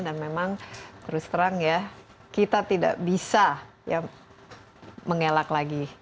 dan memang terus terang ya kita tidak bisa mengelak lagi